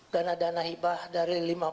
dana dana hibah dari lima puluh empat tujuh